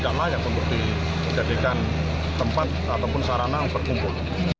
karena yang berarti jadikan tempat ataupun sarana yang berkumpul